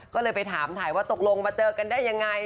ก็เลยไปถามถ่ายว่าตกลงมาเจอกันได้ยังไง